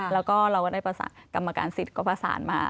แล้วก็เราก็ได้ประสานกรรมการสิทธิ์ก็ประสานมา